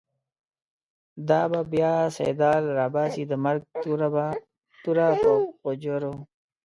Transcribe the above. دا به بیا« سیدال» راباسی، د مرگ توره په غوجرو